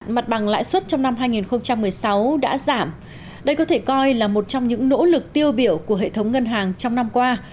mặt bằng lãi suất trong năm hai nghìn một mươi sáu đã giảm đây có thể coi là một trong những nỗ lực tiêu biểu của hệ thống ngân hàng trong năm qua